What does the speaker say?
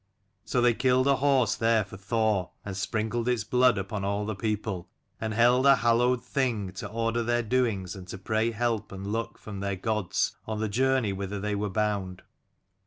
So they killed a horse there for Thor, and sprinkled its blood upon all the people, and held a hallowed Thing to order their doings and to pray help and luck from their gods on the journey whither they were bound.